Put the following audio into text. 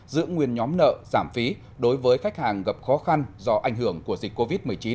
giữ nguyên nhóm nợ giảm phí đối với khách hàng gặp khó khăn do ảnh hưởng của dịch covid một mươi chín